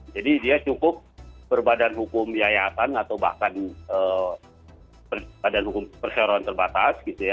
jadi dia cukup berbadan hukum yayasan atau bahkan badan hukum perseruan terbatas